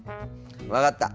分かった！